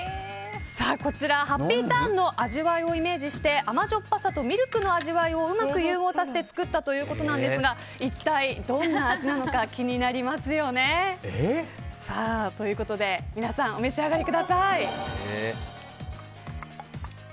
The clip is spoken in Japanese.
こちら、ハッピーターンの味わいをイメージして甘じょっぱさとミルクの味わいをうまく融合させて作ったということなんですが一体どんな味なのか気になりますよね。ということで皆さんお召し上がりください。